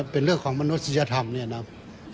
เป็นเรื่องของมนุษยธรรมเนี่ยนะ